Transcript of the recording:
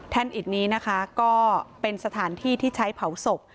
อิดนี้นะคะก็เป็นสถานที่ที่ใช้เผาศพ